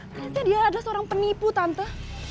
ternyata dia adalah seorang penipu tante